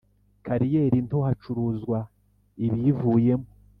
kariyeri nto hacuruzwa ibiyivuyemo.